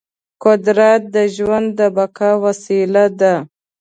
قدرت د ژوند د بقا وسیله ده.